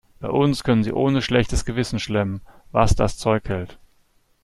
Bei uns können sie ohne schlechtes Gewissen schlemmen, was das Zeug hält.